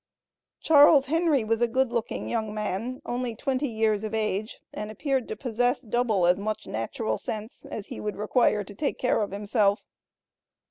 Charles Henry was a good looking young man, only twenty years of age, and appeared to possess double as much natural sense as he would require to take care of himself.